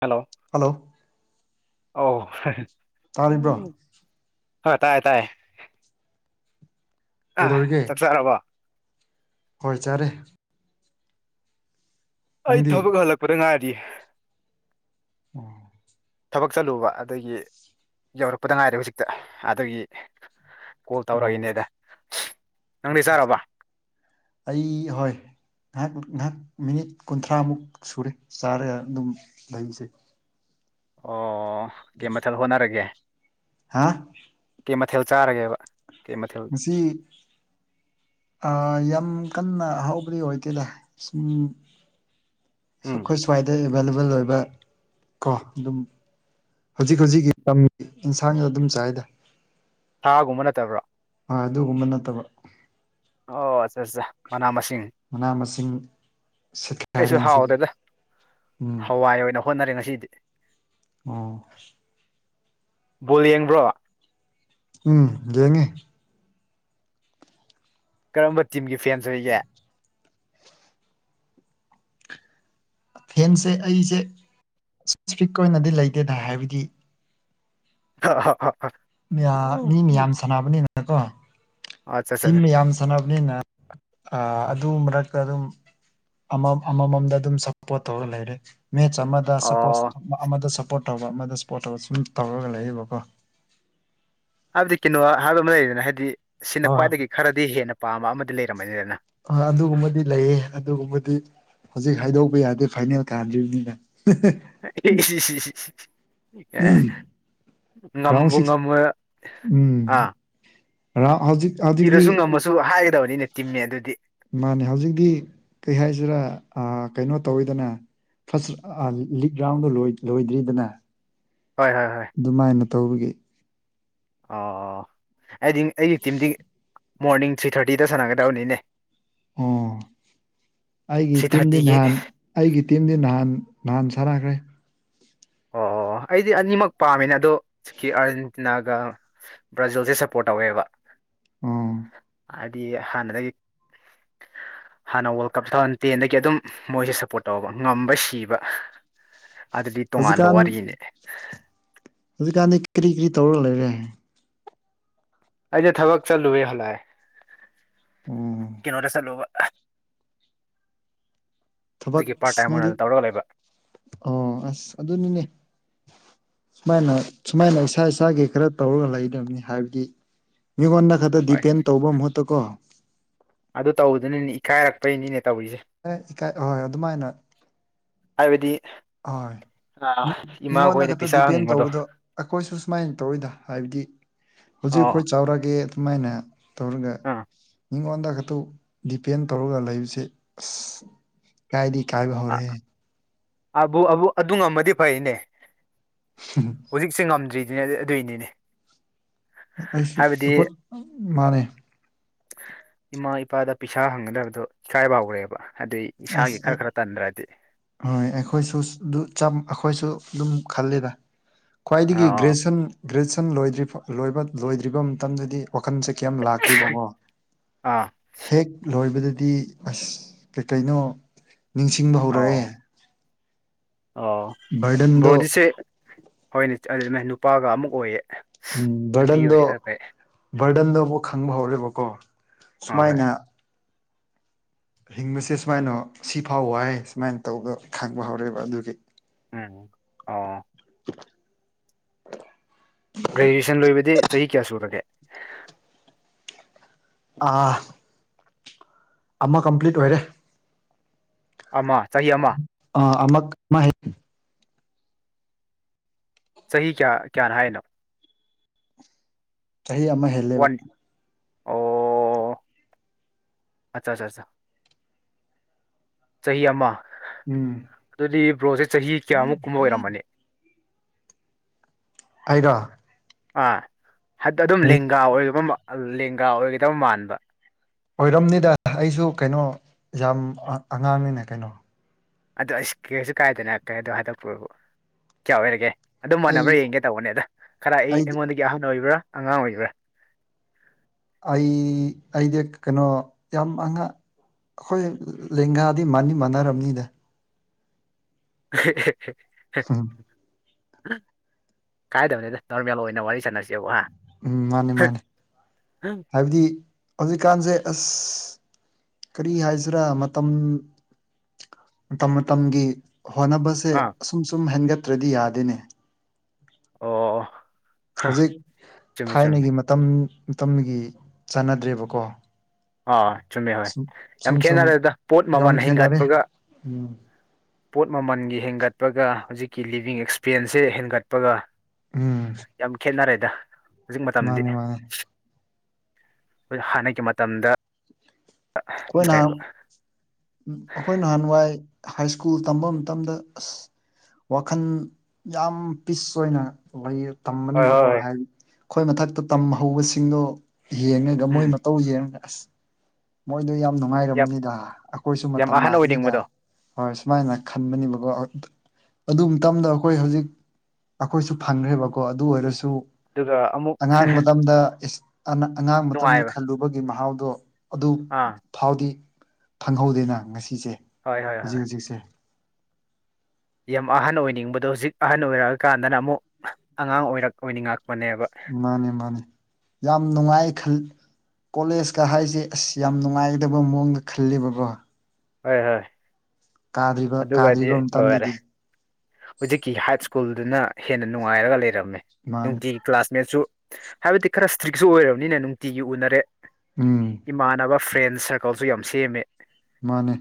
hello hello ꯑꯣ ꯇꯥꯔꯤꯕ꯭ꯔꯣ ꯍ ꯇꯥꯏ ꯇꯥꯏ ꯑꯥ ꯀꯩꯗꯧꯔꯤꯒꯦ ꯆꯥꯛ ꯆꯔꯕꯣ ꯍꯣꯏ ꯆꯔꯦ ꯑꯩ ꯅꯪꯗꯤ ꯊꯕꯛ ꯍꯜꯂꯛꯄꯗ ꯉꯥꯏꯔꯤꯌꯦ ꯑꯣ ꯊꯕꯛ ꯆꯠꯂꯨꯕ ꯑꯗꯒꯤ ꯌꯧꯔꯛꯄꯗ ꯉꯥꯏꯔꯦ ꯍꯧꯖꯤꯛꯇ ꯑꯗꯨꯗꯒꯤ ꯀꯣꯜ ꯑꯣ ꯇꯧꯔꯛꯏꯅꯦꯗ ꯅꯪꯗꯤ ꯆꯥꯔꯕ ꯑꯩ ꯍꯣꯏ ꯉꯥꯏꯍꯥꯛ ꯉꯥꯏꯍꯥꯛ ꯃꯤꯅꯤꯠ ꯀꯨꯟꯊ꯭ꯔꯥꯃꯨꯛ ꯁꯨꯔꯦ ꯆꯥꯔꯒ ꯑꯗꯨꯝ ꯂꯩꯁꯦ ꯑꯣ ꯀꯩ ꯃꯊꯦꯜ ꯍꯣꯠꯅꯔꯒꯦ ꯍꯥꯥ ꯀꯦ ꯃꯊꯦꯜ ꯆꯥꯔꯒꯦꯕ ꯀꯦ ꯃꯊꯦꯜ ꯉꯁꯤ ꯑ ꯌꯥꯝ ꯀꯟꯅ ꯑꯍꯥꯎꯕꯗꯤ ꯑꯣꯏꯗꯦꯗ ꯁꯨꯝ ꯎꯝ ꯑꯩꯈꯣꯏ ꯁ꯭ꯋꯥꯏꯗ ꯑꯦꯚꯥꯏꯂꯦꯕꯜ ꯑꯣꯏꯕ ꯀꯣ ꯑꯗꯨꯝ ꯍꯧꯖꯤꯛ ꯍꯧꯖꯤꯛꯀꯤ ꯇꯝ ꯏꯟꯁꯥꯡ ꯑꯗꯨꯝ ꯆꯥꯏꯌꯦꯗ ꯊꯥꯒꯨꯝꯕ ꯅꯠꯇꯕ꯭ꯔꯥ ꯑ ꯑꯗꯨꯒꯨꯝꯕ ꯅꯠꯇꯕ ꯑꯣ ꯑꯠꯆꯥ ꯑꯠꯆꯥ ꯃꯅꯥ ꯃꯁꯤꯡ ꯃꯅꯥ ꯃꯁꯤꯡ ꯁꯤꯠ ꯑꯩꯁꯨ ꯍꯥꯎꯗꯦꯗ ꯍꯋꯥꯏ ꯑꯣꯏꯅ ꯍꯣꯠꯅꯔꯦ ꯉꯁꯤꯗꯤ ꯎꯝ ꯕꯣꯜ ꯌꯦꯡꯕ꯭ꯔꯣ ꯎꯝ ꯌꯦꯡꯉꯦ ꯀꯔꯝꯕ ꯇꯤꯝꯒꯤ ꯐꯦꯟꯁ ꯑꯣꯏꯒꯦ ꯐꯦꯟꯁꯦ ꯑꯩꯁꯦ ꯁꯄꯦꯁꯤꯐꯤꯛ ꯑꯣꯏꯅꯗꯤ ꯂꯩꯇꯦꯗ ꯍꯥꯏꯕꯗꯤ [unintelligible] ꯃꯌꯥ ꯃꯤ ꯃꯌꯥꯝ ꯁꯥꯟꯅꯕꯅꯤꯅꯀꯣ ꯑꯣ ꯑꯠꯆꯥ ꯇꯤꯝ ꯑꯠꯆꯥ ꯃꯌꯥꯝ ꯁꯥꯟꯅꯕꯅꯤꯅ ꯑ ꯑꯗꯨ ꯃꯔꯛꯇ ꯑꯗꯨꯝ ꯑꯃꯝ ꯑꯃꯃꯝꯗ ꯑꯗꯨꯝ ꯁꯞꯄꯣꯔꯠ ꯇꯧꯔ ꯂꯩꯔꯦ ꯃꯦꯠꯆ ꯑꯃꯗ ꯑꯣ ꯁꯞꯄꯣꯔꯠꯁ ꯑꯃꯗ ꯁꯞꯄꯣꯔꯠ ꯇꯧꯕ ꯑꯃꯗ ꯁꯞꯄꯣꯔꯠ ꯇꯧꯕ ꯁꯨꯝ ꯇꯧꯔꯒ ꯂꯩꯌꯦꯕꯀꯣ ꯍꯥꯏꯕꯗꯤ ꯀꯩꯅꯣ ꯍꯥꯏꯕ ꯑꯃ ꯂꯩꯔꯤꯗꯅ ꯍꯥꯏꯗꯤ ꯁꯤꯅ ꯍꯣꯏ ꯈ꯭ꯋꯥꯏꯗꯒꯤ ꯈꯔꯗꯤ ꯍꯦꯟꯅ ꯄꯥꯝꯕ ꯑꯃꯗꯤ ꯂꯩꯔꯝꯃꯅꯤꯗꯅ ꯑ ꯑꯗꯨꯒꯨꯝꯕꯗꯤ ꯂꯩꯌꯦ ꯑꯗꯨꯒꯨꯝꯕꯗꯤ ꯍꯧꯖꯤꯛ ꯍꯥꯏꯗꯣꯛꯄ ꯌꯥꯗꯦ ꯐꯥꯏꯅꯦꯜ ꯀꯥꯟꯗ꯭ꯔꯤꯕꯅꯤꯅ [unintelligible] ꯌꯥꯔꯦ ꯔꯥꯎꯟ ꯉꯝꯕꯨ ꯁꯤꯛꯁ ꯉꯝ [unintelligible] ꯑꯥ ꯉꯥ ꯍꯧꯖꯤꯛ ꯍꯧꯖꯤꯛꯇꯤ ꯄꯤꯔꯁꯨ ꯉꯝꯃꯁꯨ ꯍꯥꯏꯒꯗꯕꯅꯤꯅꯦ ꯇꯤꯝꯅꯦ ꯑꯗꯨꯗꯤ ꯃꯥꯅꯦ ꯍꯧꯖꯤꯛꯇꯤ ꯀꯩ ꯍꯥꯏꯁꯤꯔꯥ ꯑ ꯀꯩꯅꯣ ꯇꯧꯋꯤꯗꯅ [unintelligible] ꯑ ꯂꯤꯛ ꯌꯥꯎꯔ ꯂꯣꯏꯗ꯭ꯔꯤ ꯂꯣꯏꯗ꯭ꯔꯤꯗꯅ ꯍꯣꯏ ꯍꯣꯏ ꯍꯣꯏ ꯑꯗꯨꯃꯥꯏꯅ ꯇꯧꯕꯒꯤ ꯑꯣ ꯑꯩꯗꯤ ꯑꯩꯒꯤ ꯇꯤꯝꯗꯤ ꯃꯣꯔꯅꯤꯡ ꯊ꯭ꯔꯤ ꯊꯥꯔꯇꯤꯗ ꯁꯥꯟꯅꯒꯗꯕꯅꯤꯅꯦ ꯑꯣ ꯑꯩꯒꯤ ꯊ꯭ꯔꯤ ꯇꯤꯝꯗꯤ ꯊꯥꯔꯇꯤꯒꯤ ꯅꯍꯥꯟ ꯑꯩꯒꯤ ꯇꯤꯝꯗꯤ ꯅꯍꯥꯟ ꯅꯍꯥꯟ ꯁꯥꯟꯅꯈ꯭ꯔꯦ ꯑꯣ ꯑꯩꯗꯤ ꯑꯅꯤꯃꯛ ꯄꯥꯝꯃꯤꯅꯦ ꯑꯗꯣ ꯁꯤꯛꯀꯤ ꯑꯥꯔꯖꯦꯟꯇꯤꯅꯥꯒ ꯕ꯭ꯔꯥꯖꯤꯜꯁꯦ ꯁꯞꯄꯣꯔꯠ ꯇꯧꯋꯦꯕ ꯎꯝ ꯍꯥꯏꯕꯗꯤ ꯍꯥꯟꯅꯗꯒꯤ ꯍꯥꯟꯅ ꯋꯥꯔꯜ ꯀꯞ ꯇꯨ ꯊꯥꯎꯖꯟ ꯇꯦꯟꯗꯒꯤ ꯑꯗꯨꯝ ꯃꯣꯏꯁꯦ ꯁꯞꯄꯣꯔꯠ ꯇꯧꯕ ꯉꯝꯕ ꯁꯤꯕ ꯑꯗꯨꯗꯤ ꯇꯣꯉꯥꯟꯕ ꯍꯧꯖꯤꯛꯀꯥꯟ ꯋꯥꯔꯤꯅꯦ ꯍꯧꯖꯤꯛꯀꯥꯟꯗꯤ ꯀꯔꯤ ꯀꯔꯤ ꯇꯧꯔꯒ ꯂꯩꯔꯦ ꯑꯩꯗꯣ ꯊꯕꯛ ꯆꯠꯂꯨꯑꯦ ꯍꯜꯂꯛꯑ ꯑꯣ ꯀꯩꯅꯣꯗ ꯆꯠꯂꯨꯕ ꯊꯕꯛ ꯍꯧꯖꯤꯛꯀꯤ ꯄꯥꯔꯠ ꯇꯥꯏꯝ ꯑꯁꯅꯗꯤ ꯑꯣꯏꯅ ꯇꯧꯔꯒ ꯂꯩꯕ ꯑꯣ ꯑꯁ ꯑꯗꯨꯅꯤꯅꯦ ꯁꯨꯃꯥꯏꯅ ꯁꯨꯃꯥꯏꯅ ꯏꯁꯥ ꯏꯁꯥꯒꯤ ꯈꯔ ꯇꯧꯔꯒ ꯂꯩꯒꯗꯕꯅꯤ ꯍꯥꯏꯕꯗꯤ ꯃꯤꯉꯣꯟꯗ ꯈꯛꯇ ꯍꯣꯏ ꯗꯤꯄꯦꯟ ꯇꯧꯕ ꯃꯍꯨꯠꯇ ꯀꯣ ꯑꯗꯨ ꯇꯧꯕꯗꯨꯅꯅꯤꯅꯦ ꯏꯀꯥꯏꯔꯛꯄꯩꯅꯤꯅꯦ ꯇꯧꯔꯤꯁꯦ ꯑꯦ ꯏꯀꯥꯏ ꯑꯍꯣꯏ ꯑꯗꯨꯃꯥꯏꯅ ꯍꯥꯏꯕꯗꯤ ꯍꯣꯏ ꯃꯤꯉꯣꯟꯗ ꯏꯃꯥꯈꯣꯏꯗ ꯈꯛꯇ ꯄꯩꯁꯥ ꯗꯤꯄꯦꯟ ꯍꯪꯕꯗꯣ ꯇꯧꯕꯗꯣ ꯑꯩꯈꯣꯏꯁꯨ ꯁꯨꯃꯥꯏꯅ ꯇꯧꯏꯗ ꯍꯥꯏꯕꯗꯤ ꯍꯧꯖꯤꯛ ꯑꯣ ꯑꯩꯈꯣꯏ ꯆꯥꯎꯔꯒꯦ ꯑꯗꯨꯃꯥꯏꯅ ꯇꯧꯔꯒ ꯑꯥ ꯃꯤꯉꯣꯟꯗ ꯈꯛꯇ ꯗꯤꯄꯦꯟ ꯇꯧꯔꯒ ꯂꯩꯕꯁꯦ ꯑꯁ ꯏꯀꯥꯏꯗꯤ ꯏꯀꯥꯏꯕ ꯍꯧꯔꯦꯍꯦ [unintelligible] ꯑꯗꯨ ꯉꯝꯃꯗꯤ ꯐꯩꯅꯦ [inaudible] ꯍꯧꯖꯤꯛꯁꯦ ꯉꯝꯗ꯭ꯔꯤꯗꯨꯅꯦ ꯑꯗꯨꯏꯅꯤꯅꯦ ꯑꯩꯁꯨ ꯍꯥꯏꯕꯗꯤ ꯑꯩꯈꯣꯏ ꯃꯥꯥꯟꯅꯦ ꯏꯃꯥ ꯏꯄꯥꯗ ꯄꯩꯁꯥ ꯍꯪꯒꯗꯕꯗꯣ ꯏꯀꯥꯏꯕ ꯍꯧꯔꯦꯕ ꯑꯗꯨꯏ ꯏꯁꯥꯒꯤ ꯑꯁ ꯈꯔ ꯑꯩ ꯈꯔ ꯇꯟꯗ꯭ꯔꯗꯤ ꯍꯣꯏ ꯑꯩꯈꯣꯏꯁꯨ ꯑꯗꯨ ꯆꯞ ꯑꯩꯈꯣꯏꯁꯨ ꯑꯗꯨꯝ ꯈꯜꯂꯤꯗ ꯑ ꯈ꯭ꯋꯥꯏꯗꯒꯤ ꯒ꯭ꯔꯦꯖꯨꯁꯟ ꯒ꯭ꯔꯦꯖꯨꯁꯟ ꯂꯣꯏꯗ꯭ꯔꯤꯐꯥꯎ ꯂꯣꯏꯕ ꯣꯏꯗ꯭ꯔꯤꯕ ꯃꯇꯝꯗꯗꯤ ꯋꯥꯈꯜꯁꯦ ꯀꯩꯝ ꯂꯥꯛꯇꯦꯕꯀꯣ ꯑꯥ ꯍꯦꯛ ꯂꯣꯏꯕꯗꯗꯤ ꯑꯁ ꯀꯩ ꯀꯩꯅꯣ ꯅꯤꯡꯁꯤꯡꯕ ꯍꯧꯔꯛꯑꯦ ꯑꯣ ꯑꯣ ꯕꯔꯗꯟꯗꯣ ꯕ꯭ꯔꯣꯗꯤꯁꯦ ꯍꯣꯏꯅꯦ [unintelligible] ꯅꯨꯄꯥꯒ ꯑꯃꯨꯛ ꯑꯣꯏꯌꯦ ꯎꯝ ꯅꯨꯄꯤ ꯕꯔꯗꯟꯗꯣ ꯑꯣꯏꯔꯗꯤ ꯈꯔ ꯐꯩ ꯕꯔꯗꯟꯗꯣ ꯑꯃꯨꯛ ꯈꯟꯕ ꯍꯧꯔꯦꯕꯀꯣ ꯑ ꯍꯣꯏ ꯁꯨꯃꯥꯏꯅ ꯍꯤꯡꯕꯁꯦ ꯁꯨꯃꯥꯏꯅ ꯁꯤꯐꯥꯎ ꯋꯥꯏ ꯁꯨꯃꯥꯏꯅ ꯇꯧꯕꯗꯣ ꯈꯪꯕ ꯍꯧꯔꯛꯑꯦꯕ ꯑꯗꯨꯒꯤ ꯎꯝ ꯑꯣ ꯒ꯭ꯔꯦꯖꯨꯌꯦꯁꯟ ꯂꯣꯏꯕꯗꯤ ꯆꯍꯤ ꯀꯌꯥ ꯁꯨꯔꯒꯦ ꯑꯥ ꯑꯃ ꯀꯝꯄ꯭ꯂꯤꯠ ꯑꯣꯏꯔꯦ ꯑꯃ ꯆꯍꯤ ꯑꯃ ꯑ ꯑꯃꯛ [unintelligible] ꯆꯍꯤ ꯀꯌꯥ ꯀꯌꯥꯅꯦ ꯍꯥꯏꯅꯣ ꯆꯍꯤ ꯑꯃ ꯍꯦꯟ ꯋꯥꯟ ꯑꯣ ꯑꯠꯆꯥ ꯑꯠꯆꯥ ꯆꯥ ꯆꯍꯤ ꯑꯃ ꯎꯝ ꯑꯗꯨꯗꯤ ꯕ꯭ꯔꯣꯁꯦ ꯆꯍꯤ ꯀꯌꯥꯃꯨꯛ ꯀꯨꯝꯕ ꯑꯣꯏꯔꯝꯃꯅꯤ ꯑꯩꯔꯣ ꯑꯥ ꯑꯗꯨꯝ ꯂꯦꯡꯒꯥ ꯑꯣꯏꯕ ꯃꯥꯟ ꯂꯦꯡꯒꯥ ꯑꯣꯏꯒꯗꯕ ꯃꯥꯟꯕ ꯑꯣꯏꯔꯝꯅꯤꯗ ꯑꯩꯁꯨ ꯀꯩꯅꯣ ꯌꯥꯝ ꯑꯉꯥꯡꯅꯤꯅꯦ ꯀꯩꯅꯣ ꯑꯗꯣ ꯑꯩꯁ ꯀꯩꯁꯨ ꯀꯥꯏꯗꯦꯅ ꯑꯗꯣ ꯍꯥꯏꯗꯣꯛꯄꯕꯨ ꯀꯌꯥ ꯑꯣꯏꯔꯒꯦ ꯑꯗꯨꯝ ꯑꯩ ꯃꯥꯟꯅꯕ꯭ꯔꯥ ꯌꯦꯡꯒꯦ ꯇꯧꯕꯅꯦꯗ ꯈꯔ ꯑꯩ ꯑꯩꯗꯤ ꯑꯩꯉꯣꯟꯗꯒꯤ ꯑꯍꯟ ꯑꯣꯏꯕ꯭ꯔꯥ ꯑꯉꯥꯡ ꯑꯣꯏꯕ꯭ꯔꯥ ꯑꯩ ꯑꯩꯗꯤ ꯀꯩꯅꯣ ꯌꯥꯝ ꯑꯉꯥꯡ ꯑꯩꯈꯣꯏ ꯂꯦꯡꯒꯥꯗꯤ ꯃꯥꯟꯗꯤ ꯃꯥꯟꯅꯔꯅꯤꯗ ꯎꯝ [unintelligible] ꯀꯥꯏꯗꯕꯅꯦꯗ ꯅꯣꯔꯃꯦꯜ ꯑꯣꯏꯅ ꯋꯥꯔꯤ ꯁꯥꯟꯅꯁꯦꯕ ꯍꯥ ꯎꯝ ꯃꯥꯅꯦ ꯃꯥꯅꯦ ꯍꯥꯏꯕꯗꯤ ꯍꯧꯖꯤꯛꯀꯥꯟꯁꯦ ꯑꯁ ꯀꯔꯤ ꯍꯥꯏꯁꯤꯔꯥ ꯃꯇꯝ ꯃꯇꯝ ꯃꯇꯝꯒꯤ ꯍꯣꯠꯅꯕꯁꯦ ꯑꯥ ꯑꯁꯨꯝ ꯁꯨꯝ ꯍꯦꯟꯒꯠꯇ꯭ꯔꯗꯤ ꯌꯥꯗꯦꯅꯦ ꯑꯣ ꯍ, ꯍꯧꯖꯤꯛ ꯆꯨꯝꯃꯤ ꯆꯨꯝꯃꯤ ꯊꯥꯏꯅꯒꯤ ꯃꯇꯝ ꯃꯇꯝꯒꯤ ꯆꯥꯟꯅꯗ꯭ꯔꯦꯕꯀꯣ ꯑꯥ ꯆꯨꯝꯃꯦ ꯍꯣꯏ ꯁꯨꯝ ꯁꯨꯝ ꯌꯥꯝ ꯁꯨꯝ ꯈꯦꯠꯅꯔꯦꯗ ꯄꯣꯠ ꯌꯥꯝ ꯃꯃꯜ ꯈꯦꯠꯅꯔꯦ ꯍꯦꯟꯒꯠꯄꯒ ꯎꯝ ꯄꯣꯠ ꯃꯃꯜꯒꯤ ꯍꯦꯟꯒꯠꯄꯒ ꯍꯧꯖꯤꯛꯀꯤ ꯂꯤꯕꯤꯡ ꯑꯦꯛꯁꯄꯦꯟꯁꯁꯦ ꯍꯦꯟꯒꯠꯄꯒ ꯎꯝ ꯌꯥꯝ ꯈꯦꯠꯅꯔꯦꯗ ꯍꯧꯖꯤꯛ ꯃꯇꯝꯗꯗꯤ ꯃꯥꯅꯦ ꯃꯥꯅꯦ ꯍꯥꯟꯅꯒꯤ ꯃꯇꯝꯗ ꯀꯣꯏ ꯅꯥꯟ ꯎꯝ ꯅꯠꯇ꯭ꯔꯦꯕ ꯑꯩꯈꯣꯏ ꯅꯍꯥꯟꯋꯥꯏ ꯍꯥꯏ ꯁ꯭ꯀꯨꯜ ꯇꯝꯕ ꯃꯇꯝꯗ ꯑꯁ ꯋꯥꯈꯜ ꯌꯥꯝ ꯄꯤꯁ ꯑꯣꯏꯅ ꯂꯩꯌꯦ ꯍꯣꯏ ꯍꯣꯏ ꯇꯝꯕꯅꯦꯕꯀꯣ ꯍꯣꯏ ꯍꯥꯏꯗꯤ ꯑꯩꯈꯣꯏ ꯃꯊꯛꯇ ꯇꯝꯍꯧꯕꯁꯤꯡꯗꯣ ꯌꯦꯡꯉꯒ ꯃꯣꯏ ꯎꯝ ꯇꯧꯖꯦ ꯑꯁ ꯃꯣꯏꯗꯣ ꯌꯥꯝ ꯌꯥꯝ ꯅꯨꯡꯉꯥꯏꯔꯝꯅꯤꯗ ꯑꯩꯈꯣꯏꯁꯨ ꯌꯥꯝ ꯃꯇꯝ ꯑꯍꯟ ꯂꯥꯛꯀꯅꯤꯗ ꯑꯣꯏꯅꯤꯡꯕꯗꯣ ꯍꯣꯏ ꯁꯨꯃꯥꯏꯅ ꯈꯟꯕꯅꯦꯕꯀꯣ ꯑꯗꯨ ꯃꯇꯝꯗꯣ ꯑꯩꯈꯣꯏ ꯍꯧꯖꯤꯛ ꯑꯩꯈꯣꯏꯁꯨ ꯐꯪꯈ꯭ꯔꯦꯕꯀꯣ ꯑꯗꯨ ꯑꯣꯏꯔꯁꯨ ꯑꯗꯨꯒ ꯑꯃꯨꯛ ꯑꯉꯥꯡ ꯃꯇꯝꯗ ꯑꯉꯥꯡ ꯃꯇꯝꯗ ꯅꯨꯡꯉꯥꯏꯕ ꯈꯜꯂꯨꯕꯒꯤ ꯃꯍꯥꯎꯗꯣ ꯑꯗꯨ ꯑꯥ ꯐꯎꯗꯤ ꯐꯪꯍꯧꯗꯦꯅ ꯉꯁꯤꯁꯦ ꯍꯣꯏ ꯍꯣꯏ ꯍꯣꯏ ꯍꯧꯖꯤꯛ ꯍꯧꯖꯤꯛꯁꯦ ꯌꯥꯝ ꯑꯍꯟ ꯑꯣꯏꯅꯤꯡꯕꯗꯣ ꯍꯧꯖꯤꯛ ꯑꯍꯟ ꯑꯣꯏꯔꯛꯑꯀꯥꯟꯗꯅ ꯑꯃꯨꯛ ꯑꯉꯥꯡ ꯑꯣꯏꯔꯛ ꯑꯣꯏꯅꯤꯡꯉꯛꯄꯅꯦ ꯃꯥꯅꯦ ꯃꯥꯅꯦ ꯌꯥꯝ ꯅꯨꯡꯉꯥꯏ ꯈꯜ ꯀꯣꯂꯦꯖꯀ ꯍꯥꯏꯁꯦ ꯑꯁ ꯌꯥꯝ ꯅꯨꯡꯉꯥꯏꯒꯗꯕ ꯃꯑꯣꯡꯗ ꯈꯜꯂꯦꯕꯀꯣ ꯍꯣꯏ ꯍꯣꯏ ꯀꯥꯗ꯭ꯔꯤꯕ ꯑꯗꯨꯒꯗꯤ ꯀꯥꯗ꯭ꯔꯤꯕ ꯂꯣꯏꯔꯦ ꯃꯇꯝꯗꯗꯤ ꯍꯧꯖꯤꯛꯀꯤ ꯍꯥꯏ ꯁ꯭ꯀꯨꯜꯗꯨꯅ ꯍꯦꯟꯅ ꯅꯨꯡꯉꯥꯏꯔꯒ ꯂꯩꯔꯝꯃꯦ ꯃꯥꯅꯦ ꯅꯨꯡꯇꯤꯒꯤ ꯀ꯭ꯂꯥꯁꯃꯦꯠꯁꯨ ꯍꯥꯏꯕꯗꯤ ꯈꯔ ꯏꯁꯇ꯭ꯔꯤꯛꯁꯨ ꯑꯣꯏꯔꯕꯅꯤꯅ ꯅꯨꯡꯇꯤꯒꯤ ꯎꯅꯔꯦ ꯎꯝ ꯏꯃꯥꯟꯅꯕ ꯐ꯭ꯔꯦꯟ ꯁꯔꯀꯜꯁꯨ ꯌꯥꯝ ꯁꯦꯝꯃꯦ ꯃꯥꯅꯦ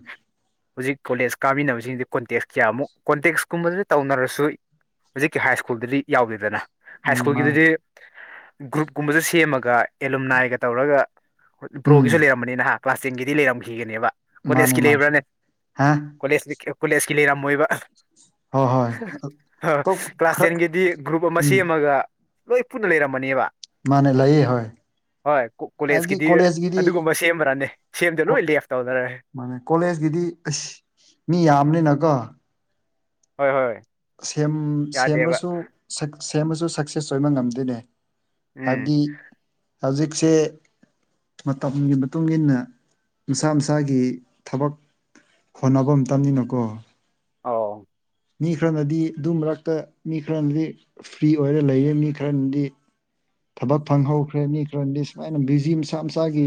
ꯍꯧꯖꯤꯛ ꯀꯣꯂꯦꯖ ꯀꯥꯃꯤꯟꯅꯕꯁꯤꯡꯁꯤ ꯀꯣꯟꯇꯦꯛꯁ ꯀꯌꯥꯃꯨꯛ ꯀꯣꯟꯇꯦꯛꯁ ꯀꯨꯝꯕꯗꯨꯗ ꯇꯧꯅꯔꯁꯨ ꯍꯧꯖꯤꯛꯀꯤ ꯍꯥꯏ ꯁ꯭ꯀꯨꯜꯗꯗꯤ ꯌꯥꯎꯗꯦꯗꯅ ꯍꯥꯏ ꯎꯝ ꯃꯥ ꯁ꯭ꯀꯨꯜꯒꯤꯗꯨꯗꯤ ꯒ꯭ꯔꯨꯞꯀꯨꯝꯕꯁꯨ ꯁꯦꯝꯃꯒ ꯑꯦꯂꯨꯝꯅꯥꯏꯒ ꯇꯧꯔꯒ ꯎꯝ ꯄ꯭ꯔꯣꯒꯤꯁꯨ ꯂꯩꯔꯝꯕꯅꯤ ꯅꯍꯥ ꯀ꯭ꯂꯥꯁ ꯇꯦꯟꯒꯤꯗꯤ ꯂꯩꯔꯝꯈꯤꯒꯅꯦꯕ ꯃꯥꯅꯦ ꯀꯣꯂꯦꯖꯀꯤ ꯃꯥꯅꯦ ꯂꯩꯕ꯭ꯔꯥꯅꯦ ꯍꯥ ꯀꯣꯂꯦꯖ ꯀꯣꯂꯦꯖꯀꯤ ꯂꯩꯔꯝꯃꯣꯏꯕ ꯍꯣꯏ ꯍꯣꯏ ꯑꯇꯣꯞ ꯀ꯭ꯂꯥꯁ ꯈꯔ ꯇꯦꯟꯒꯤꯗꯤ ꯒ꯭ꯔꯨꯞ ꯑꯃ ꯎꯝ ꯁꯦꯝꯃꯒ ꯂꯣꯏ ꯄꯨꯟꯅ ꯂꯩꯔꯝꯃꯅꯤꯕ ꯃꯥꯅꯦ ꯂꯩꯌꯦ ꯍꯣꯏ ꯍꯣꯏ ꯍꯥꯏꯕꯗꯤ ꯀꯣꯂꯦꯖꯀꯤꯗꯤ ꯀꯣꯂꯦꯖꯀꯤꯗꯤ ꯑꯗꯨꯒꯨꯝꯕ ꯁꯦꯝꯕ꯭ꯔꯅꯦ ꯁꯦꯝꯗꯦ ꯀꯣ ꯂꯣꯏ ꯂꯦꯞ ꯇꯧꯅꯔꯦ ꯃꯥꯅꯦ ꯀꯣꯂꯦꯖꯀꯤꯗꯤ ꯑꯁ ꯃꯤ ꯌꯥꯝꯕꯅꯤꯅꯀꯣ ꯍꯣꯏ ꯍꯣꯏ ꯁꯦꯝ ꯌꯥꯗꯦꯕ ꯁꯦꯝꯔꯁꯨ ꯁꯦꯝ ꯁꯦꯝꯔꯁꯨ ꯁꯛꯁꯦꯁ ꯑꯣꯏꯕ ꯉꯝꯗꯦꯅꯦ ꯎꯝ ꯍꯥꯏꯕꯗꯤ ꯍꯧꯖꯤꯛꯁꯦ ꯃꯇꯝꯒꯤ ꯃꯇꯨꯡꯏꯟꯅ ꯃꯁꯥ ꯃꯁꯥꯒꯤ ꯊꯕꯛ ꯍꯣꯠꯅꯕ ꯃꯇꯝꯅꯤꯅꯀꯣ ꯑꯥꯎ ꯃꯤ ꯈꯔꯅꯗꯤ ꯑꯗꯨ ꯃꯔꯛꯇ ꯃꯤ ꯈꯔꯅꯗꯤ ꯐ꯭ꯔꯤ ꯑꯣꯏꯔ ꯂꯩꯔꯦ ꯃꯤ ꯈꯔꯅꯗꯤ ꯊꯕꯛ ꯐꯪꯍꯧꯈ꯭ꯔꯦ ꯃꯤ ꯈꯔꯗꯤ ꯁꯨꯃꯥꯏꯅ ꯕꯤꯖꯤ ꯃꯁꯥ ꯃꯁꯥꯒꯤ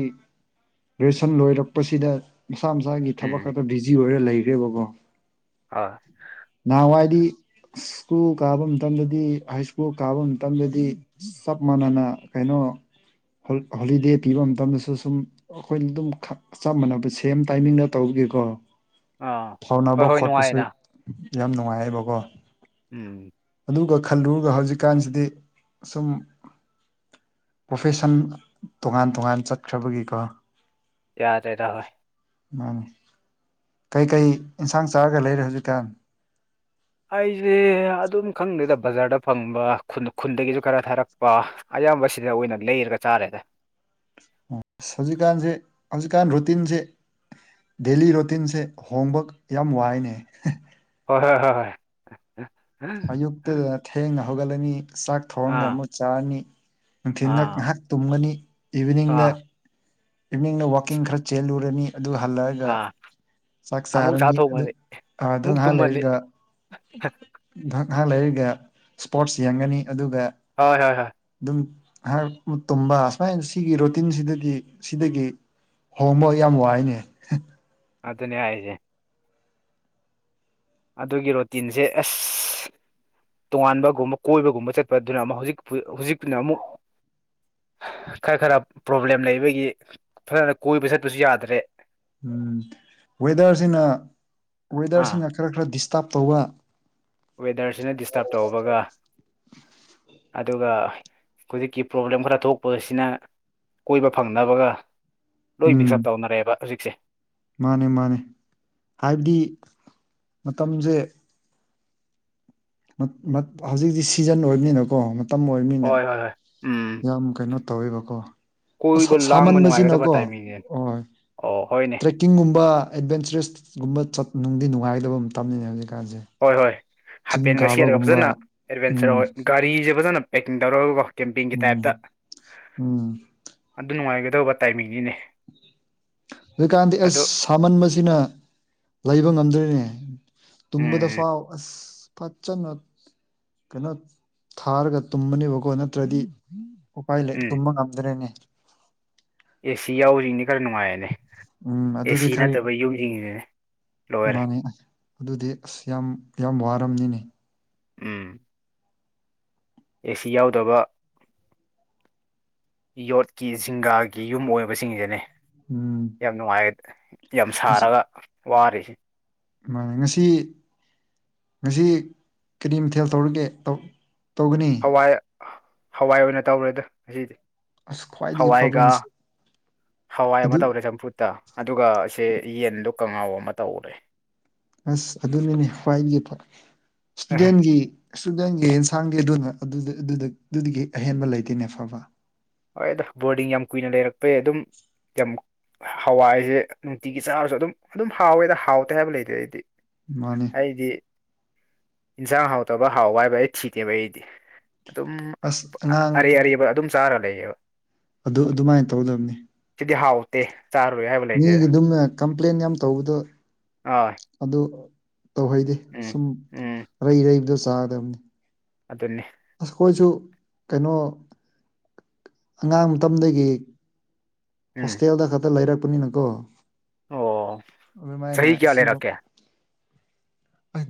ꯒ꯭ꯔꯦꯖꯨꯦꯁꯟ ꯂꯣꯏꯔꯛꯄꯁꯤꯗ ꯃꯁꯥ ꯃꯁꯥꯒꯤ ꯎꯝ ꯊꯕꯛ ꯍꯣꯏ ꯈꯛꯇ ꯕꯤꯖꯤ ꯑꯣꯏꯔ ꯂꯩꯈ꯭ꯔꯦꯕꯀꯣ ꯑꯥꯏ ꯅꯍꯥꯟꯋꯥꯏꯗꯤ ꯁ꯭ꯀꯨꯜ ꯀꯥꯕ ꯃꯇꯝꯗꯗꯤ ꯍꯥꯏ ꯁ꯭ꯀꯨꯜ ꯀꯥꯕ ꯃꯇꯝꯗꯗꯤ ꯆꯞ ꯃꯥꯟꯅꯅ ꯀꯩꯅꯣ ꯍꯣꯂꯤꯗꯦ ꯄꯤꯕ ꯃꯇꯝꯗꯁꯨ ꯁꯨꯝ ꯑꯩꯈꯣꯏꯅ ꯑꯗꯨꯝ ꯆꯞ ꯃꯥꯟꯅꯕ ꯁꯦꯝ ꯇꯥꯏꯃꯤꯡꯗ ꯇꯧꯒꯤꯀꯣ ꯑꯥ ꯐꯥꯎꯅꯕ ꯍꯣꯏ ꯍꯣꯏ ꯈꯣꯠꯄꯁꯨ ꯅꯨꯡꯉꯥꯏꯅ ꯌꯥꯝ ꯅꯨꯡꯉꯥꯏꯌꯦꯕꯀꯣ ꯎꯝ ꯑꯗꯨꯒ ꯈꯜꯂꯨꯔꯒ ꯍꯧꯖꯤꯛꯀꯥꯟꯁꯤꯗꯤ ꯁꯨꯝ ꯄ꯭ꯔꯣꯐꯦꯁꯟ ꯇꯣꯉꯥꯟ ꯇꯣꯉꯥꯟ ꯆꯠꯈ꯭ꯔꯕꯒꯤꯀꯣ ꯌꯥꯗ꯭ꯔꯦꯗ ꯍꯣꯏ ꯃꯥꯅꯤ ꯀꯩꯀꯩ ꯏꯟꯁꯥꯡ ꯆꯥꯔꯒ ꯂꯩꯔꯦ ꯍꯧꯖꯤꯛꯀꯥꯟ ꯑꯩꯁꯦ ꯑꯗꯨꯝ ꯈꯪꯗꯦꯗ ꯕꯖꯥꯔꯗ ꯐꯪꯕ ꯈꯨꯟ ꯈꯨꯟꯗꯒꯤꯁꯨ ꯈꯔ ꯊꯥꯔꯛꯄ ꯑꯌꯥꯝꯕ ꯁꯤꯗ ꯑꯣꯏꯅ ꯂꯩꯔꯒ ꯆꯥꯔꯦꯗ ꯑꯣ ꯍꯧꯖꯤꯛꯀꯥꯟꯁꯦ ꯍꯧꯖꯤꯛꯀꯥꯟ ꯔꯨꯇꯤꯟꯁꯦ ꯗꯦꯂꯤ ꯔꯣꯇꯤꯟꯁꯦ ꯍꯣꯡꯕ ꯌꯥꯝ ꯋꯥꯏꯅꯦ ꯍꯣꯏ ꯍꯣꯏ ꯍꯣꯏ ꯍꯣꯏ ꯑꯌꯨꯛꯇꯨꯗ ꯊꯦꯡꯅ ꯍꯧꯒꯠꯂꯅꯤ ꯆꯥꯛ ꯊꯣꯡꯉ ꯑꯥ ꯑꯃꯨꯛ ꯆꯥꯔꯅꯤ ꯅꯨꯡꯊꯤꯟꯜꯗ ꯑꯥ ꯉꯥꯏꯍꯥꯛ ꯇꯨꯝꯒꯅꯤ ꯏꯚꯤꯅꯤꯡꯗ ꯑꯥ ꯏꯚꯤꯅꯤꯡꯗ ꯋꯥꯛꯀꯤꯡ ꯈꯔ ꯆꯦꯜꯂꯨꯔꯅꯤ ꯑꯗꯨ ꯍꯜꯂꯛꯑꯒ ꯑꯥ ꯆꯥꯛ ꯑꯃꯨꯛ ꯆꯥ ꯆꯥꯔꯅꯤ ꯑꯗꯨ ꯊꯣꯡꯉꯅꯤ ꯑꯥ ꯑꯃꯨꯛ ꯅꯥꯏꯍꯥꯛ ꯇꯨꯝꯃꯅꯤ ꯂꯩꯔꯒ ꯉꯍꯥꯛ ꯂꯩꯔꯒ ꯏꯁꯄꯣꯔꯠꯁ ꯌꯦꯡꯒꯅꯤ ꯑꯗꯨꯒ ꯍꯣꯏ ꯍꯣꯏ ꯍꯣꯏ ꯑꯗꯨꯝ ꯉꯥꯛ ꯇꯨꯝꯕ ꯁꯨꯃꯥꯏꯅ ꯁꯤꯒꯤ ꯔꯨꯇꯤꯟꯁꯤꯗꯗꯤ ꯁꯤꯗꯒꯤ ꯍꯣꯡꯕ ꯌꯥꯝ ꯋꯥꯏꯅꯦ ꯑꯗꯨꯅꯦ ꯍꯥꯏꯖꯦ ꯑꯗꯨꯒꯤ ꯔꯣꯇꯤꯟꯁꯦ ꯑꯁ ꯇꯣꯉꯥꯟꯕꯒꯨꯝꯕ ꯀꯣꯏꯕꯒꯨꯝꯕ ꯆꯠꯄꯗꯨꯅ ꯑꯃꯨꯛ ꯍꯧꯖꯤꯛ ꯍꯧꯖꯤꯛꯅ ꯑꯃꯨꯛ ꯈꯔ ꯈꯔ ꯄ꯭ꯔꯣꯕ꯭ꯂꯦꯝ ꯂꯩꯕꯒꯤ ꯐꯖꯅ ꯀꯣꯏꯕ ꯆꯠꯄꯁꯨ ꯌꯥꯗ꯭ꯔꯦ ꯎꯝ ꯋꯦꯗꯔꯁꯤꯅ ꯑꯥ ꯋꯦꯗꯔꯁꯤꯅ ꯈꯔ ꯈꯔ ꯗꯤꯁꯇꯥꯔꯕ ꯇꯧꯕ ꯋꯦꯗꯔꯁꯤꯅ ꯗꯤꯁꯇꯔꯕ ꯇꯧꯕꯒ ꯑꯗꯨꯒ ꯍꯧꯖꯤꯛꯀꯤ ꯄ꯭ꯔꯣꯕ꯭ꯂꯦꯝ ꯈꯔ ꯊꯣꯛꯄꯁꯤꯅ ꯀꯣꯏꯕ ꯐꯪꯅꯕꯒ ꯂꯣꯏ ꯃꯤꯛꯁ ꯑꯞ ꯇꯧꯅꯔꯦꯕ ꯍꯧꯖꯤꯛꯁꯦ ꯃꯥꯅꯤ ꯃꯥꯅꯤ ꯍꯥꯏꯕꯗꯤ ꯃꯇꯝꯁꯦ ꯃꯠ ꯃꯠ ꯍꯧꯖꯤꯛꯇꯤ ꯁꯤꯖꯟ ꯑꯣꯏꯕꯅꯤꯅꯀꯣ ꯇꯝꯃꯡ ꯑꯣꯏꯕꯅꯤꯅ ꯍꯣꯏ ꯍꯣꯏ ꯍꯣꯏ ꯎꯝ ꯌꯥꯝ ꯀꯩꯅꯣ ꯇꯧꯋꯦꯕꯀꯣ ꯁꯥ ꯀꯣꯏꯕ ꯂꯥꯡꯕ ꯅꯨꯡꯉꯥꯏꯒꯗꯕ ꯁꯥꯃꯟꯕꯁꯤꯅꯀꯣ ꯇꯥꯏꯃꯤꯡꯅꯦ ꯍꯣꯏ ꯑꯣ ꯍꯣꯏꯅꯦ ꯇ꯭ꯔꯦꯛ ꯀꯤꯡꯒꯨꯝꯕ ꯑꯦꯗꯚꯦꯟꯆꯔꯁꯀꯨꯝꯕ ꯆꯠ ꯅꯨꯡꯗꯤ ꯅꯨꯡꯉꯥꯏꯗꯕ ꯃꯇꯝꯅꯤꯅꯤꯅꯦ ꯍꯧꯖꯤꯛꯀꯥꯟꯁꯦ ꯍꯣꯏ ꯍꯣꯏ ꯆꯤꯡ ꯍꯥꯄꯦꯟꯒ ꯁꯦꯠꯂꯒ ꯀꯥꯕꯒꯨꯝꯕ ꯐꯖꯅ ꯑꯦꯗꯚꯦꯟꯆꯔ ꯎꯝ ꯑꯣꯏ ꯒꯥꯔꯤꯁꯦ ꯐꯖꯅ ꯄꯦꯛꯀꯤꯡ ꯇꯧꯔꯒꯀꯣ ꯀꯦꯝꯄꯤꯡꯒꯤ ꯎꯝ ꯇꯥꯏꯞꯇ ꯎꯝ ꯑꯗꯨ ꯅꯨꯡꯉꯥꯏꯒꯗꯧꯕ ꯇꯥꯏꯃꯤꯡꯅꯤꯅꯦ ꯍꯧꯖꯤꯛꯀꯥꯟꯗꯤ ꯑꯗꯣ ꯑꯁ ꯁꯥꯃꯟꯕꯁꯤꯅ ꯂꯩꯕ ꯉꯝꯗ꯭ꯔꯦꯅꯦ ꯇꯨꯝꯕꯗ ꯎꯝ ꯐꯥꯎ ꯑꯁ ꯐꯖꯅ ꯀꯩꯅꯣ ꯊꯥꯔꯒ ꯇꯨꯝꯕꯅꯦꯀꯣ ꯅꯠꯇ꯭ꯔꯗꯤ ꯎꯄꯥꯏ ꯂꯩ ꯎꯝ ꯇꯨꯝꯕ ꯉꯝꯗ꯭ꯔꯦꯅꯦ ꯑꯦꯁꯤ ꯌꯥꯎꯁꯤꯡꯗꯤ ꯈꯔ ꯅꯨꯡꯉꯥꯏꯔꯅꯦ ꯎꯝ ꯑꯗꯨꯗꯤ ꯑꯦꯁꯤ ꯈꯔ ꯅꯠꯇꯕ ꯌꯨꯝꯁꯤꯡꯁꯤꯅꯦ ꯂꯣꯏꯔꯦ ꯃꯥꯅꯦ ꯑꯁ ꯑꯗꯨꯗꯤ ꯑꯁ ꯌꯥꯝ ꯌꯥꯝ ꯋꯥꯔꯝꯅꯤꯅꯤ ꯎꯝ ꯑꯦꯁꯤ ꯌꯥꯎꯗꯕ ꯌꯣꯠꯀꯤ ꯁꯤꯡꯒꯥꯒꯤ ꯌꯨꯝ ꯑꯣꯏꯕꯁꯤꯡꯁꯤꯅꯦ ꯎꯝ ꯌꯥꯝ ꯅꯨꯡꯉꯥꯏ ꯌꯥꯝ ꯁꯥꯔꯒ ꯋꯥꯔꯤꯔꯤꯁꯤ ꯃꯥꯟꯅꯦ ꯉꯁꯤ ꯉꯁꯤ ꯀꯔꯤ ꯃꯊꯦꯜ ꯇꯧꯔꯒꯦ ꯇꯧ-ꯇꯧꯒꯅꯤ ꯍꯋꯥꯏ-ꯍꯋꯥꯏ ꯑꯣꯏꯅ ꯇꯧꯔꯦꯗ ꯉꯁꯤꯗꯤ ꯑꯁ ꯈ꯭ꯋꯥꯏꯗꯒꯤ ꯐꯕ ꯍꯋꯥꯏꯒ- ꯏꯟꯁ ꯍꯋꯥꯏ ꯑꯃ ꯑꯗꯨ ꯇꯧꯔꯦ ꯆꯝꯐꯨꯠ ꯇ ꯑꯗꯨꯒꯁꯦ ꯌꯦꯟꯗꯣ ꯀꯥꯉꯧ ꯑꯃ ꯇꯧꯔꯦ ꯑꯁ ꯑꯗꯨꯅꯤꯅꯦ ꯈ꯭ꯋꯥꯏꯒꯤ ꯏꯁꯇꯨꯗꯦꯟꯒꯤ ꯏꯁꯨꯗꯦꯟꯒꯤ ꯌꯦꯟꯁꯥꯡꯗꯤ ꯑꯗꯨꯅ- ꯑꯗꯨꯗ-ꯑꯗꯨꯗ-ꯑꯗꯨꯗꯒꯤ ꯑꯍꯦꯟꯕ ꯂꯩꯇꯦꯅꯦ ꯐꯕ ꯍꯣꯏꯗꯥ ꯕꯣꯔꯗꯤꯡ ꯌꯥꯝ ꯀꯨꯏꯅ ꯂꯩꯔꯛꯄꯩ ꯑꯗꯨꯝ ꯌꯥꯝ ꯍꯋꯥꯏꯖꯦ ꯅꯨꯡꯇꯤꯒꯤ ꯆꯥꯔꯁꯨ ꯑꯗꯨꯝ-ꯑꯗꯨꯝ ꯍꯥꯎꯋꯦꯗ ꯍꯥꯎꯇꯦ ꯍꯥꯏꯕ ꯂꯩꯇꯦ ꯑꯩꯗꯤ ꯃꯥꯟꯅꯤ ꯑꯩꯗꯤ ꯏꯟꯖꯤꯡ ꯍꯥꯎꯇꯕ ꯍꯥꯎꯕ ꯍꯥꯏꯕ ꯑꯩ ꯊꯤꯗꯦꯕ ꯑꯩꯗꯤ ꯑꯗꯨꯝ ꯑꯁ ꯑꯔꯩ ꯑꯉꯥꯡ ꯑꯔꯤꯕ ꯑꯗꯨꯝ ꯆꯥꯔꯥ ꯂꯩꯌꯦꯕ ꯑꯗꯨ -ꯑꯗꯨꯃꯥꯏꯅ ꯇꯧꯗꯝꯅꯤ ꯁꯤꯗꯤ ꯍꯥꯎꯇꯦ ꯆꯥꯔꯣꯏ ꯍꯥꯏꯕ ꯂꯩꯇꯦꯗ ꯃꯤꯒꯤ ꯗꯨꯝ ꯀꯝꯄ꯭ꯂꯦꯟ ꯌꯥꯝ ꯇꯧꯕꯗꯣ ꯑꯥ ꯑꯗꯨ ꯇꯧꯍꯩꯗꯦ ꯎꯝ ꯁꯨꯝ ꯎꯝ ꯑꯩꯔꯩ-ꯑꯔꯩꯕꯗꯣ ꯆꯥꯒꯗꯕꯅꯤ ꯑꯗꯨꯅꯤ ꯑꯩꯈꯣꯏꯁꯨ ꯀꯩꯅꯣ ꯑꯉꯥꯡ ꯃꯇꯝꯗꯒꯤ ꯎꯝ ꯍꯣꯁꯇꯦꯜꯗ ꯈꯛꯇ ꯂꯩꯔꯛꯄꯅꯤꯅꯀꯣ ꯑꯣ ꯑꯗꯨꯃꯥꯏꯅ ꯆꯍꯤ ꯀꯌꯥ ꯁꯤꯒꯣ ꯂꯩꯔꯛꯀꯦ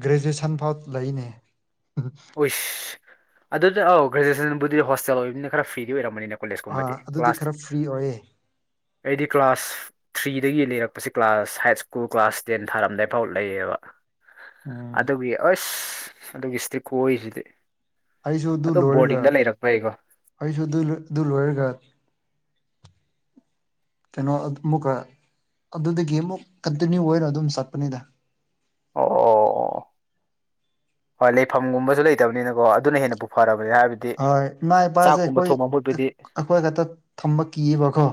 ꯒ꯭ꯔꯦꯖꯨꯑꯦꯁꯟ ꯐꯥꯎ ꯂꯩꯅꯦ ꯎꯨꯏꯁ ꯑꯗꯨꯗ ꯑꯧ ꯒ꯭ꯔꯦꯖꯨꯋꯦꯁꯟꯕꯨꯗꯤ ꯍꯣꯁꯇꯦꯜ ꯑꯣꯏꯕꯅꯤꯅ ꯈꯔ ꯐ꯭ꯔꯤꯗꯤ ꯑꯣꯏꯔꯝꯃꯅꯤꯅ‌ꯦ ꯑꯥ ꯀꯣꯂꯦꯖꯀꯨꯝꯕꯗꯤ ꯑꯗꯨꯗꯤ ꯀ꯭ꯂꯥꯁ ꯈꯔ ꯐ꯭ꯔꯤ ꯑꯣꯏꯌꯦ ꯑꯩꯗꯤ ꯀ꯭ꯂꯥꯁ ꯊ꯭ꯔꯤꯗꯒꯤ ꯂꯩꯔꯛꯄꯁꯤ class high school class ten ꯊꯥꯔꯝꯗꯥꯏꯐꯥꯎ ꯂꯩꯌꯦꯕ ꯎꯝ ꯑꯗꯨꯒꯤ ꯑꯁ ꯑꯗꯨꯒꯤ ꯏꯁꯤꯇꯤꯛ ꯈꯨꯑꯣꯏꯁꯤꯗꯤ ꯑꯩꯁꯨ ꯑꯗꯨ ꯑꯗꯨꯝ ꯂꯣꯏꯔꯒ ꯕꯣꯔꯗꯤꯡꯗ ꯂꯩꯔꯛꯄꯩꯀꯣ ꯑꯩꯁꯨ ꯑꯗꯨ-ꯑꯗꯨ ꯂꯣꯏꯔꯒ ꯀꯩꯅꯣ ꯑꯃꯨꯛꯀ ꯑꯗꯨꯗꯒꯤ ꯑꯃꯨꯛ ꯀꯟꯇꯤꯅ꯭ꯌꯨ ꯑꯣꯏꯅ ꯑꯗꯨꯝ ꯆꯠꯄꯅꯤꯗ ꯑꯣ-ꯑꯣ-ꯑꯣ ꯍꯣꯏ ꯂꯩꯐꯝꯒꯨꯝꯕꯁꯨ ꯂꯩꯇꯕꯅꯤꯅꯀꯣ ꯑꯗꯨꯅ ꯍꯦꯟꯅ ꯄꯨ ꯐꯔꯕꯅꯦ ꯍꯥꯏꯕꯗꯤ ꯍꯣꯏ ꯏꯃꯥ ꯏꯄꯥꯁꯦ ꯆꯥꯛꯀꯨꯝꯕ ꯊꯣꯡꯕ ꯃꯍꯨꯠꯄꯨꯗꯤ ꯑꯩꯈꯣꯏ-ꯑꯈꯣꯏ ꯈꯛꯇ ꯊꯝꯕ ꯀꯤꯌꯦꯕꯀꯣ